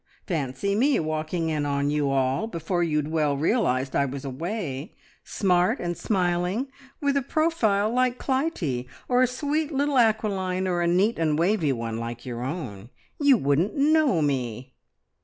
Fancy me walking in on you all, before you'd well realised I was away, smart and smiling with a profile like Clytie, or a sweet little acquiline, or a neat and wavey one, like your own. You wouldn't know me!"